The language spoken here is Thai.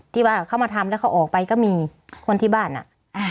ที่ว่าเขามาทำแล้วเขาออกไปก็มีคนที่บ้านอ่ะ